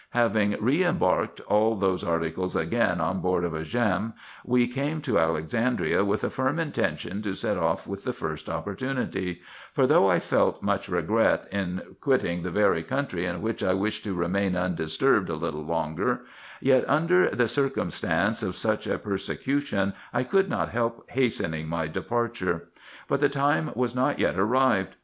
Having re imbarked all those articles again on board of a djerm, we came to Alexandria with a firm intention to set off with the first opportunity ; for though I felt much regret in quitting the very country in which I wished to remain undisturbed a little longer, yet under the cir cumstances of such a persecution I could not help hastening my departure. But the time was not yet arrived.